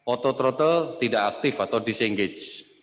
auto throttle tidak aktif atau disengaged